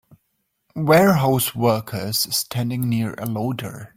Warehouse workers standing near a loader.